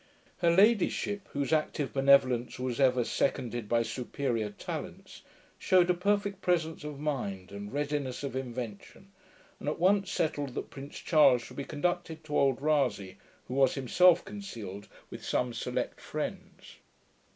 Her ladyship, whose active benevolence was ever seconded by superior talents, shewed a perfect presence of mind, and readiness of invention, and at once settled that Prince Charles should be conducted to old Rasay, who was himself concealed with some select friends.